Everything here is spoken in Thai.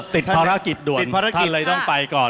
ภารกิจด่วนติดภารกิจเลยต้องไปก่อน